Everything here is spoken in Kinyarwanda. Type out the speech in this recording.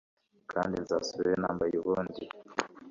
kandi nzasubirayo nambaye ubundi